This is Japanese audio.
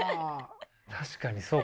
確かにそっか。